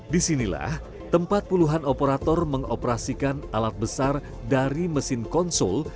disinilah tempat puluhan operator mengoperasikan alat besar dari mesin konsol